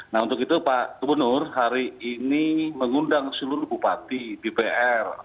nah untuk itu pak kepul nur hari ini mengundang seluruh bupati bpr